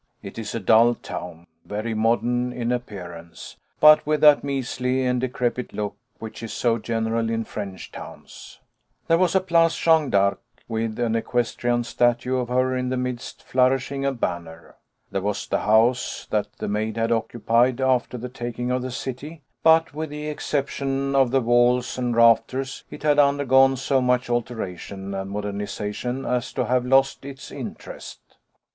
It is a dull town, very modern in appearance, but with that measly and decrepit look which is so general in French towns. There was a Place Jeanne d'Arc, with an equestrian statue of her in the midst, flourishing a banner. There was the house that the Maid had occupied after the taking of the city, but, with the exception of the walls and rafters, it had undergone so much alteration and modernisation as to have lost its interest.